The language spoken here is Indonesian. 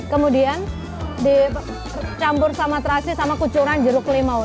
kemudian dicampur sama terasi sama kucuran jeruk limau